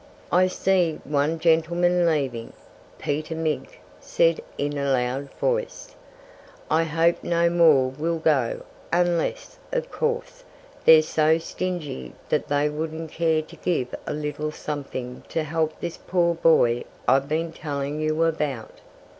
"I see one gentleman leaving," Peter Mink said in a loud voice. "I hope no more will go unless, of course, they're so stingy that they wouldn't care to give a little something to help this poor boy I've been telling you about."